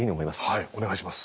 はいお願いします。